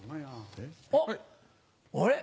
おっあれ？